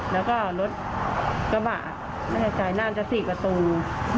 แล้วก็รถกระบะไม่แน่ใจน่าจะ๔ประตู